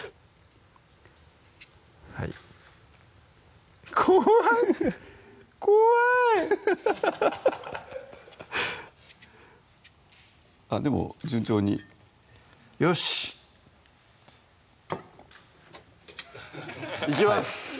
はい怖い怖いハハハハでも順調によしっいきます！